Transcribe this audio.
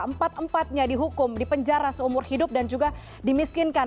empat empatnya dihukum dipenjara seumur hidup dan juga dimiskinkan